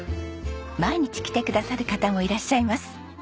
毎日来てくださる方もいらっしゃいます。